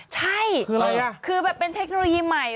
ใช่คือแบบเป็นเทคโนโลยีใหม่